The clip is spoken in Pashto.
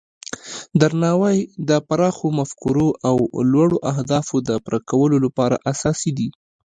درناوی د پراخو مفکورو او لوړو اهدافو د پوره کولو لپاره اساسي دی.